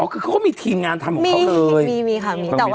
อ๋อคือเขาก็มีทีมงานทำของเขาเลย